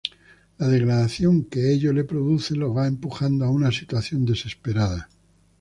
La degradación que ello le produce lo va empujando a una situación desesperada.